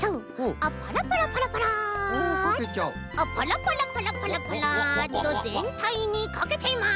あっパラパラパラパラパラッとぜんたいにかけちゃいます。